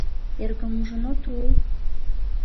— Эргым ужын от ул?